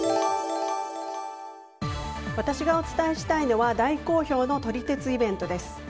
私がお伝えしたいのは大好評の撮り鉄イベントです。